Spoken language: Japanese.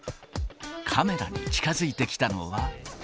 カメラに近づいてきたのは。